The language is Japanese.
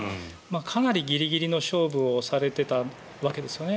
かなりギリギリの勝負をされていたわけですよね。